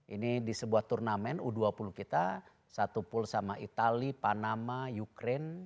ini di sebuah turnamen u dua puluh kita satu pool sama itali panama ukraine